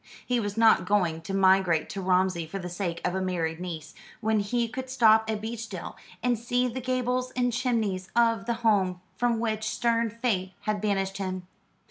He was not going to migrate to Romsey for the sake of a married niece; when he could stop at Beechdale, and see the gables and chimneys of the home from which stern fate had banished him.